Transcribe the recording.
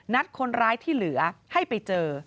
คนร้ายที่เหลือให้ไปเจอ